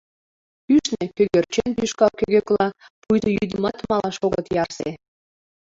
Кӱшнӧ кӧгӧрчен тӱшка кӧгӧкла, пуйто йӱдымат малаш огыт ярсе.